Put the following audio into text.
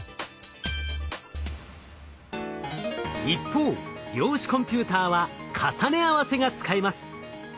一方量子コンピューターは重ね合わせが使えます。